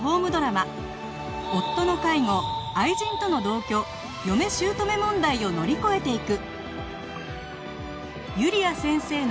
夫の介護愛人との同居嫁姑問題を乗り越えていく